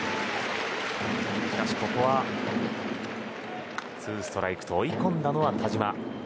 しかし、ここはツーストライクと追い込んだのは田嶋。